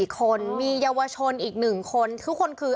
๔คนมีเยาวชนอีก๑คนทุกคนคือ